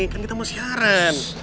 kan kita mau siaran